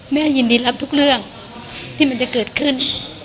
แม่ยินดีรับทุกเรื่องที่มันจะเกิดขึ้น